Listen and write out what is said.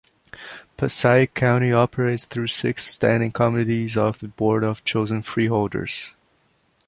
Passaic County operates through six standing committees of the Board of Chosen Freeholders.